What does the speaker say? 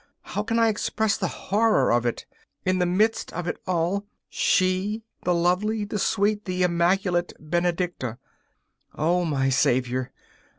How can I express the horror of it? In the midst of it all she, the lovely, the sweet, the immaculate Benedicta! O my Saviour!